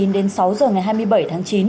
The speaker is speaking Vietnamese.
đến sáu giờ ngày hai mươi bảy tháng chín